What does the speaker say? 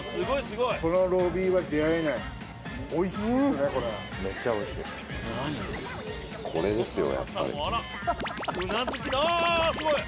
すごい。